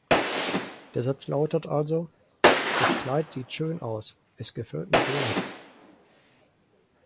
Der Satz lautet also: "Das Kleid sieht schön aus, es gefällt mir sehr!"